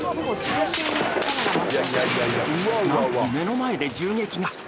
なんと目の前で銃撃が。